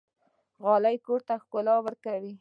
غالۍ کور ته ښکلا ورکوي.